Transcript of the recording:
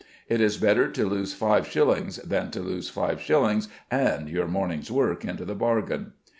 It is better to lose five shillings than to lose five shillings and your morning's work into the bargain.